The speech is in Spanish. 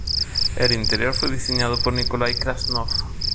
El interior fue diseñado por Nikolaj Krasnov.